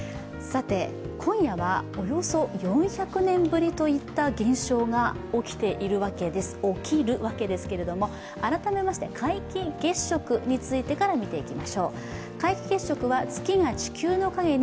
今夜はおよそ４００年ぶりといった現象が起きるわけですけれども改めまして皆既月食についてから見ていきましょう。